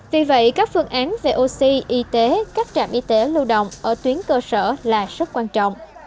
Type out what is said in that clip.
vì vậy các phương án về oxy y tế các trạm y tế lưu động ở tuyến cơ sở là rất quan trọng